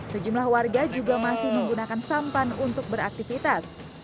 sejumlah warga juga masih menggunakan sampan untuk beraktivitas